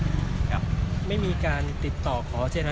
ไม่ใช่นี่คือบ้านของคนที่เคยดื่มอยู่หรือเปล่า